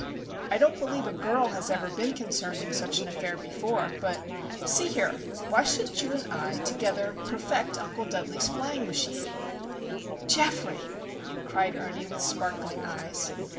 "I don't believe a girl has ever been concerned in such an affair before;—but, see here, why shouldn't you and I together perfect Uncle Dudley's flying machine?" "Geoffrey!" cried Ernie, with sparkling eyes.